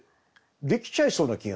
できちゃいそうな気がします。